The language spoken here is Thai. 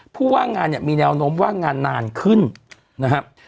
ผู้ว่างงานเนี่ยมีแนวโน้มว่างานนานขึ้นนะครับ